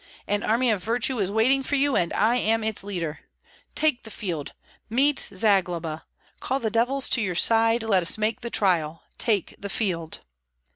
An army of virtue is waiting for you, and I am its leader. Take the field! Meet Zagloba! Call the devils to your side; let us make the trial! Take the field!"